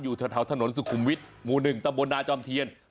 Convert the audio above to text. อยู่แถวถนนสุขุมวิทย์หมู่๑ตำบลนาจอมเทียน